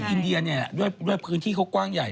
แต่อินเดียเนี้ยนี่ด้วยพื้นที่ก็กว้างใหญ่